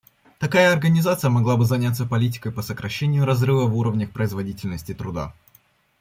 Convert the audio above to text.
Такая организация могла бы заняться политикой по сокращение разрыва в уровнях производительности труда.